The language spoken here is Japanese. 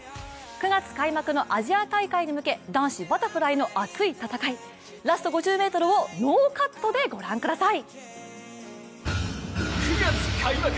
９月開幕のアジア大会に向け男子バタフライの熱い戦い、ラスト５０ｍをノーカットでご覧ください。